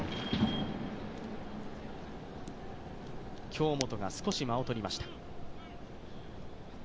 京本が少し間を取りました。